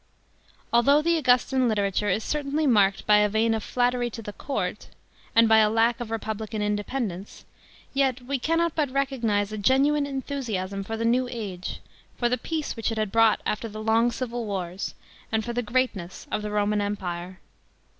Although the Augustan literature is certainly marked by a vein of flattery to the court, and by a luck of republican independence, yet we cannot but recognise a genuine enthusiasm for the new age, for the peace which it had brought after the long civil wars, and for the great ness of the Roman Empire.